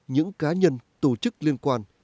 những cá nhân tổ chức liên quan